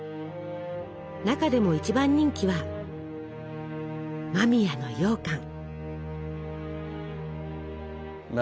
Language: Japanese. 中でも一番人気は間宮のようかん。